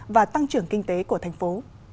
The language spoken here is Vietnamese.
và tăng trưởng kinh tế của thành phố